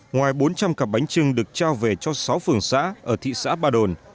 ngoài bốn trăm linh cặp bánh trưng được trao về cho sáu phường xã ở thị xã ba đồn